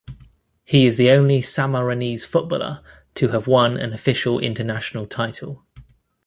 He is the only Sammarinese footballer to have won an official international title.